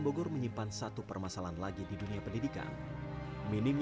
kami berkumpul dengan kemampuan